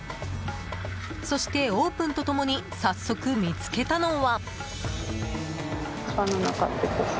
そして、オープンと共に早速見つけたのは。